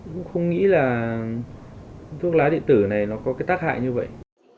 cũng không nghĩ là thuốc lá điện tử này nó có cái tác hại như vậy